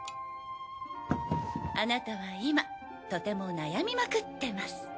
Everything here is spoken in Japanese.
あなたは今とても悩みまくってます。